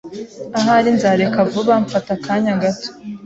Ahari nzareka vuba mfata akanya gato.